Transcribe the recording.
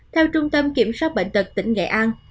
theo trung tâm kiểm soát bệnh tật tỉnh nghệ an